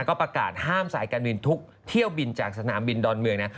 ก็ประกาศห้ามสายการบินทุกเที่ยวบินจากสนามบินดอนเมืองนะ